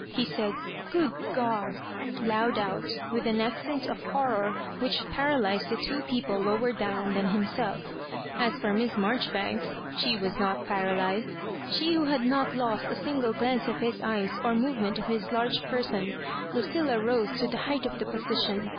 He said, " Gk)od God I " loud out, with an accent of hor ror which paralysed the two people lower down than himselC As for Miss Marjoribanks, she was not paralysed — she who had not lost a single glance of his eyes or movement of his large per son. Lucilla rose to the height of the position.